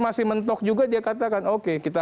masih mentok juga dia katakan oke kita